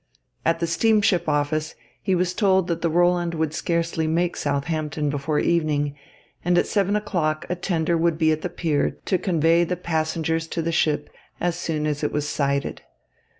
At the steamship office, he was told that the Roland would scarcely make Southampton before evening, and at seven o'clock a tender would be at the pier to convey the passengers to the ship as soon as it was sighted.